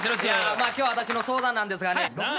まあ今日は私の相談なんですがね。